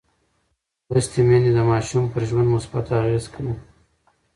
لوستې میندې د ماشوم پر ژوند مثبت اغېز کوي.